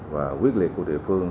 và quyết liệt của địa phương